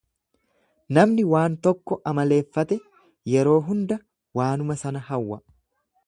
Namni waan tokko amaleeffate yeroo hunda waanuma sana hawwa.